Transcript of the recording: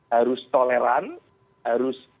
harus toleran harus